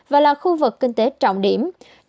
và là khu vực kinh tế trọng điểm